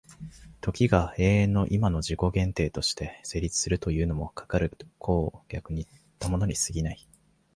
時が永遠の今の自己限定として成立するというのも、かかる考を逆にいったものに過ぎない。